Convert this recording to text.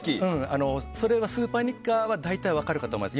スーパーニッカは大体分かるかと思います。